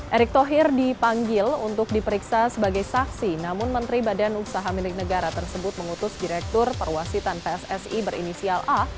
erick thohir dipanggil untuk diperiksa sebagai saksi namun menteri badan usaha milik negara tersebut mengutus direktur perwasitan pssi berinisial a